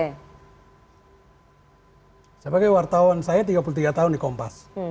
saya sebagai wartawan saya tiga puluh tiga tahun di kompas